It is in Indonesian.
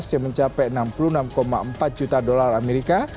dua ribu tujuh belas yang mencapai enam puluh enam empat juta dolar amerika